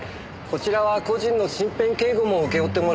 こちらは個人の身辺警護も請け負ってもらえるんですよね？